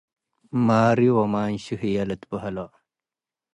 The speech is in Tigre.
ማርዩ ወማንሹ ህዬ ልትበሀሎ ።